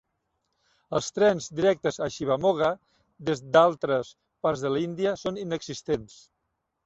Els trens directes a Shivamogga des d'altres parts de l'Índia són inexistents.